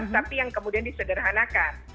tapi yang kemudian disederhanakan